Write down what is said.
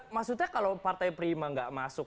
maksudnya kalau partai prima nggak masuk